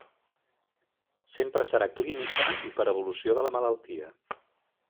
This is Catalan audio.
Sempre serà clínica i per evolució de la malaltia.